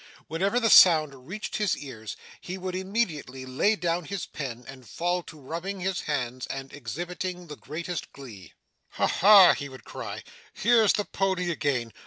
Whenever the sound reached his ears, he would immediately lay down his pen and fall to rubbing his hands and exhibiting the greatest glee. 'Ha ha!' he would cry. 'Here's the pony again!